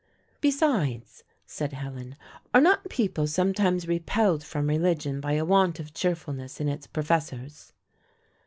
"Besides," said Helen, "are not people sometimes repelled from religion by a want of cheerfulness in its professors?"